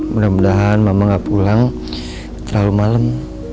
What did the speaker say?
mudah mudahan mama gak pulang terlalu malam